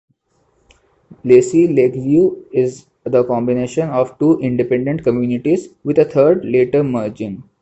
Lacy Lakeview is the combination of two independent communities, with a third later merging.